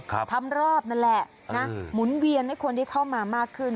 ทำรอบนั่นแหละนะหมุนเวียนให้คนที่เข้ามามากขึ้น